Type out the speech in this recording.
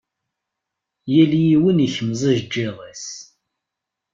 Yal yiwen ikmez ajeǧǧiḍ-is.